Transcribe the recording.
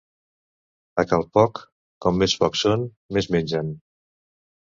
A cal poc, com més pocs són, més mengen.